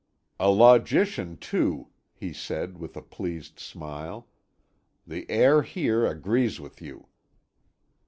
"A logician, too," he said with a pleased smile; "the air here agrees with you."